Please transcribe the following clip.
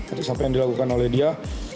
atas apa yang dilakukan oleh dia